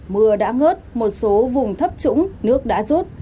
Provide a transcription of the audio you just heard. mưa đã ngớt một số vùng thấp trũng nước đã rút